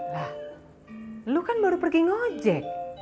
lah lu kan baru pergi ngejek